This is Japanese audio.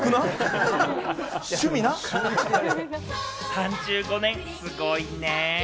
３５年、すごいねぇ。